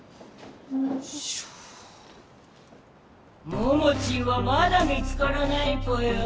モモチーはまだ見つからないぽよ？